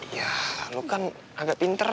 ya lu kan agak pinter